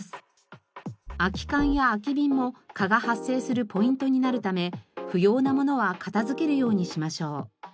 空き缶や空き瓶も蚊が発生するポイントになるため不要なものは片付けるようにしましょう。